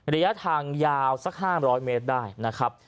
ระยะทางยาวสัก๕๐๐เมตรได้นะครับ